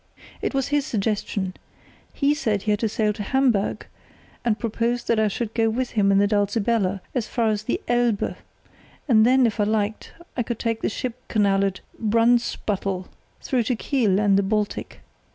"It was his suggestion. He said he had to sail to Hamburg, and proposed that I should go with him in the Dulcibella as far as the Elbe, and then, if I liked, I could take the ship canal at Brunsbüttel through to Kiel and the Baltic.